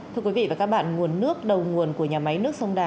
thưa quý vị và các bạn nguồn nước đầu nguồn của nhà máy nước sông đà